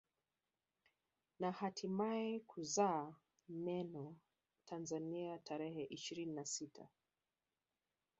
Na hatimae kuzaa neno Tanzania tarehe ishirina na sita